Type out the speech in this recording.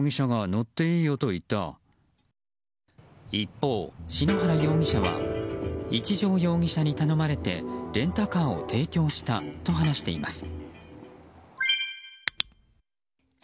一方、篠原容疑者は一條容疑者に頼まれてレンタカーを提供したと話しています。